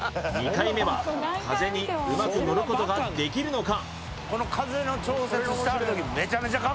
２回目は風にうまく乗ることができるのか？